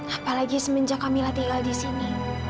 apalagi semenjak kamilah tinggal di sini